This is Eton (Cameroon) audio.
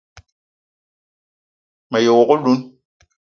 Me ye wok oloun